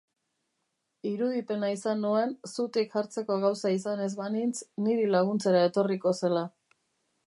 Irudipena izan nuen zutik jartzeko gauza izan ez banintz niri laguntzera etorriko zela.